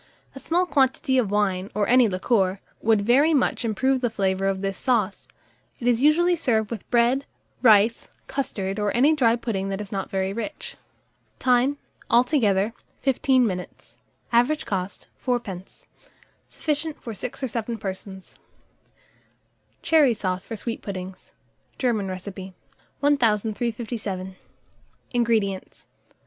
A small quantity of wine, or any liqueur, would very much improve the flavour of this sauce: it is usually served with bread, rice, custard, or any dry pudding that is not very rich. Time. Altogether, 15 minutes. Average cost, 4d. Sufficient for 6 or 7 persons. CHERRY SAUCE FOR SWEET PUDDINGS. (German Recipe.) 1357. INGREDIENTS.